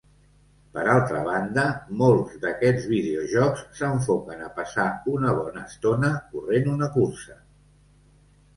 Per altra banda, molts d'aquests videojocs s'enfoquen a passar una bona estona corrent una cursa.